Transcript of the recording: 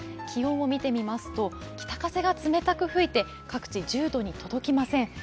気温を見てみますと、北風が冷たく吹いて各地、１０度に届きません。